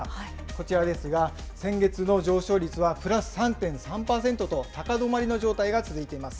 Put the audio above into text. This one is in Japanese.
こちらですが、先月の上昇率はプラス３．３％と高止まりの状態が続いています。